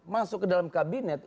masuk ke dalam kabinet